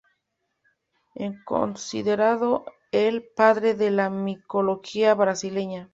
Es considerado el "padre de la micología brasileña".